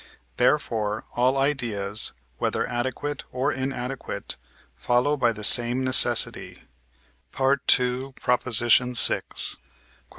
therefore all ideas, whether adequate or inadequate, follow by the same necessity (II. vi.). Q.E.